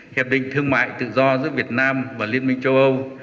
hiệp định thương mại tự do giữa việt nam và liên minh châu âu